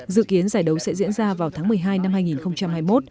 dự kiến giải đấu sẽ diễn ra vào tháng một mươi hai năm hai nghìn hai mươi một